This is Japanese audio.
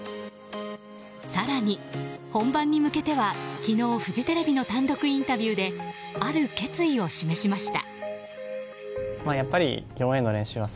更に、本番に向けては昨日フジテレビの単独インタビューである決意を示しました。